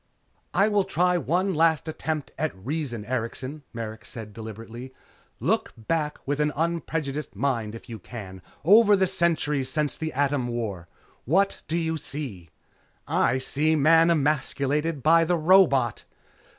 "I will try one last attempt at reason, Erikson," Merrick said deliberately. "Look back with an unprejudiced mind, if you can, over the centuries since the Atom War. What do you see?" "I see Man emasculated by the robot!"